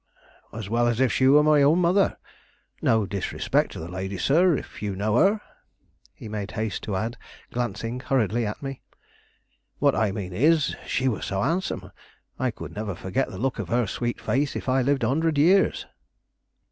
"As well as if she was my own mother. No disrespect to the lady, sir, if you know her," he made haste to add, glancing hurriedly at me. "What I mean is, she was so handsome, I could never forget the look of her sweet face if I lived a hundred years."